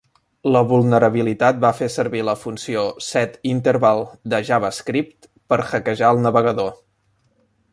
La vulnerabilitat va fer servir la funció setInterval de javascript per hackejar el navegador.